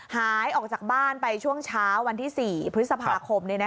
หายออกจากบ้านไปช่วงเช้าวันที่๔พฤษภาคม